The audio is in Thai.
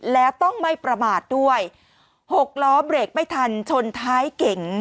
แล้วต้องไม่ประมาทด้วยหกล้อเบรกไม่ทันชนท้ายเก๋ง